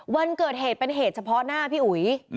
วันเกิดเหตุเป็นเหตุเฉพาะหน้าพี่อุ๋ย